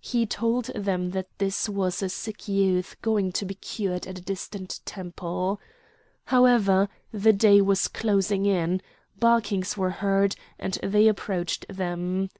He told them that this was a sick youth going to be cured at a distant temple. However, the day was closing in. Barkings were heard, and they approached them.